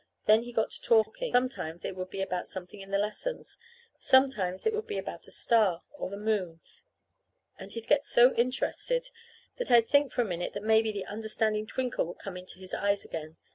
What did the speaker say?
Then he got to talking. Sometimes it would be about something in the lessons; sometimes it would be about a star, or the moon. And he'd get so interested that I'd think for a minute that maybe the understanding twinkle would come into his eyes again.